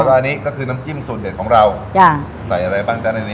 แล้วก็อันนี้ก็คือน้ำจิ้มสูดเด็ดของเราใส่อะไรบ้างจ้ะในนี้